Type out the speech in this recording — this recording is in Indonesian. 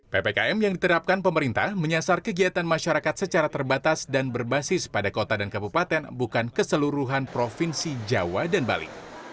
ppkm yang diterapkan pemerintah menyasar kegiatan masyarakat secara terbatas dan berbasis pada kota dan kabupaten bukan keseluruhan provinsi jawa dan bali